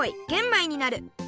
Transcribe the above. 米になる。